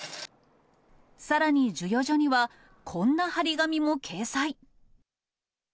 さらに授与所には、こんな貼り紙も掲載。